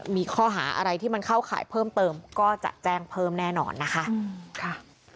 มีข้อหาอะไรที่มันเข้าข่ายเพิ่มเติมก็จะแจ้งเพิ่มแน่นอนนะคะ